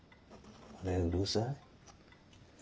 ねぇうるさい？